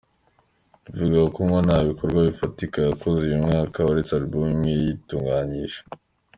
Bivugwa ko ngo nta bikorwa bifatika yakoze uyu mwaka uretse album imwe yatunganyije.